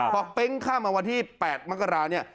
บอกเป๊้งข้ามมาวันที่๘มกรา